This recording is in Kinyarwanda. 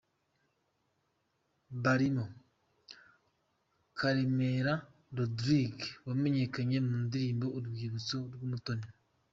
barimo: Karemera Rodrigue wamenyekanye mu ndirimbo: Urwibutso rwumutoni,.